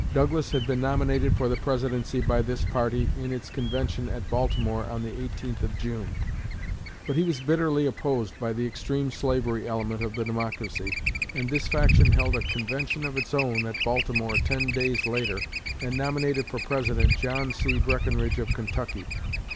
Douglas had been nominated for the Presidency by this party in its convention at Baltimore on the 18th of June; but he was bitterly opposed by the extreme slavery element of the Democracy, and this faction held a convention of its own at Baltimore ten days later and nominated for President John C. Breckenridge of Kentucky.